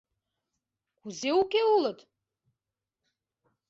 — Кузе уке улыт?